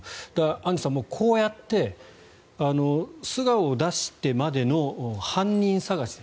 アンジュさん、こうやって素顔を出してまでの犯人探し